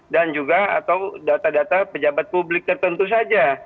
dan juga atau data data pejabat publik tertentu saja